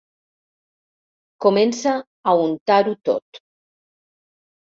Comença a untar-ho tot.